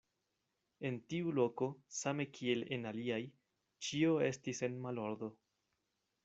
En tiu loko, same kiel en aliaj, ĉio estis en malordo.